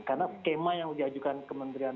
karena skema yang diajukan kementerian